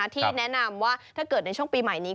ที่แนะนำว่าถ้าเกิดในช่วงปีใหม่นี้